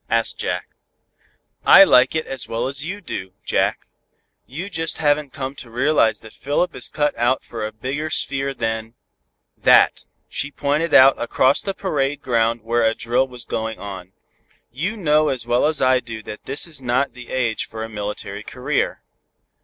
asked Jack. "I like it as well as you do, Jack. You just haven't come to realize that Philip is cut out for a bigger sphere than that." She pointed out across the parade ground where a drill was going on. "You know as well as I do that this is not the age for a military career."